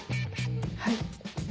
はい。